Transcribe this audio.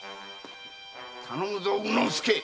頼むぞ宇之助。